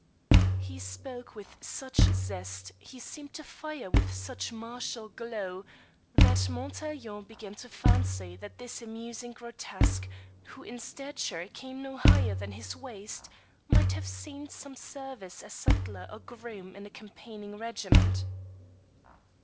He spoke with such a zest, he seemed to fire with such a martial glow, that Montaiglon began to fancy that this amusing grotesque, who in stature came no higher than his waist, might have seen some service as sutler or groom in a campaigning regiment.